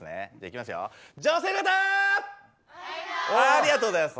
ありがとうございます。